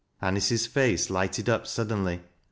Anice's face lighted up suddenly.